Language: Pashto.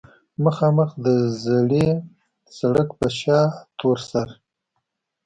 مخامخ د زړې سړک پۀ شا تورسر